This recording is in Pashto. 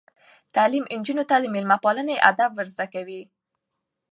تعلیم نجونو ته د میلمه پالنې آداب ور زده کوي.